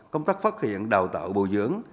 công tác phát hiện đào tạo bồi dưỡng